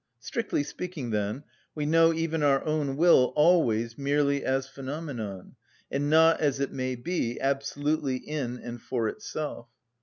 Strictly speaking, then, we know even our own will always merely as phenomenon, and not as it may be absolutely in and for itself.